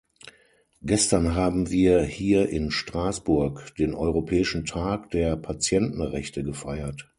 Gestern haben wir hier in Straßburg den Europäischen Tag der Patientenrechte gefeiert.